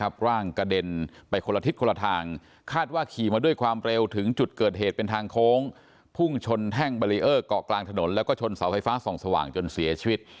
บรีเออร์เกาะกลางถนนแล้วก็ชนเสาไฟฟ้าสองสว่างจนเสียชีวิต